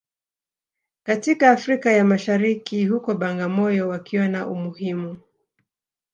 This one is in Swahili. katika Afrika ya Mashariki huko Bagamoyo wakiona umuhimu